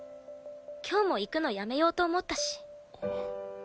今日も行くのやめようと思ったし。